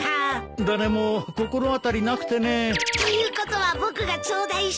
誰も心当たりなくてね。ということは僕が頂戴しても。